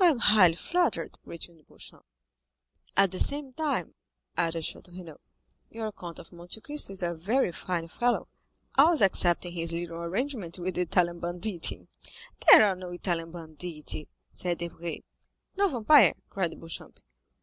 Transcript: "I am highly flattered," returned Beauchamp. "At the same time," added Château Renaud, "your Count of Monte Cristo is a very fine fellow, always excepting his little arrangements with the Italian banditti." "There are no Italian banditti," said Debray. "No vampire," cried Beauchamp.